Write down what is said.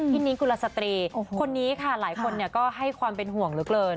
พี่นิ๊กกุฤษฎีคนนี้ค่ะหลายคนก็ให้ความเป็นห่วงลึกเลิน